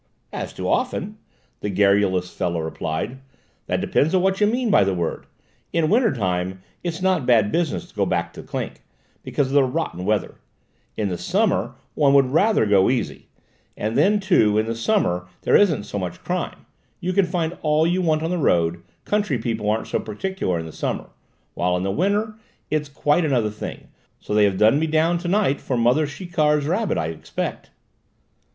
"As to 'often,'" the garrulous fellow replied, "that depends on what you mean by the word. In winter time it's not bad business to go back to clink, because of the rotten weather; in the summer one would rather go easy, and then, too, in the summer there isn't so much crime; you can find all you want on the road; country people aren't so particular in the summer, while in the winter it's quite another thing; so they have done me down to night for mother Chiquard's rabbit, I expect."